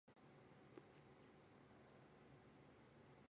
这个广场得名于波希米亚的主保圣人圣瓦茨拉夫。